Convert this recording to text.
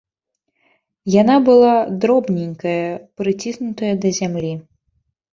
Яна была дробненькая, прыціснутая да зямлі.